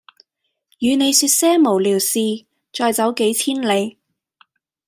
與你說些無聊事再走幾千里